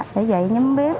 để dạy nhắm bếp